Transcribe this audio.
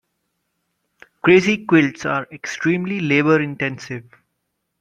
Crazy quilts are extremely labor intensive.